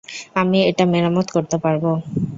আমি এটা মেরামত করতে পারব।